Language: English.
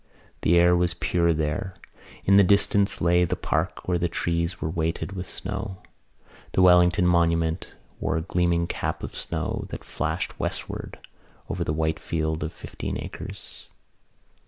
The air was pure there. In the distance lay the park where the trees were weighted with snow. The Wellington Monument wore a gleaming cap of snow that flashed westward over the white field of Fifteen Acres.